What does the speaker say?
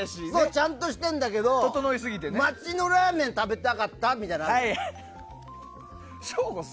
ちゃんとしてるんだけど街のラーメンを食べたかったみたいなのはあるの。